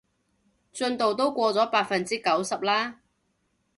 進度都過咗百分之九十啦